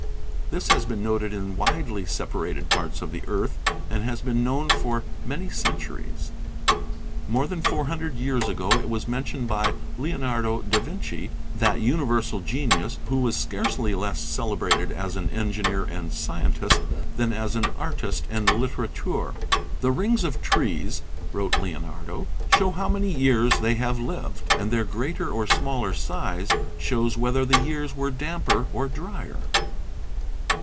This has been noted in widely separated parts of the earth, and has been known for many cen turies. More than four hundred years ago it was mentioned by Leonardo da Vinci, that universal genius who was scarcely less celebrated as an engineer and scientist than as an artist and litterateur. "The rings of trees," wrote Leonardo, "show how many years they have lived, and their greater or smaller size shows whether the years were damper or drier.